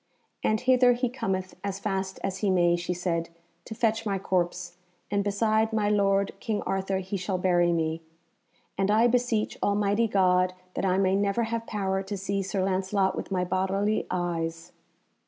"And hither he cometh as fast as he may," she said, "to fetch my corpse, and beside my lord King Arthur he shall bury me. And I beseech Almighty God that I may never have power to see Sir Lancelot with my bodily eyes."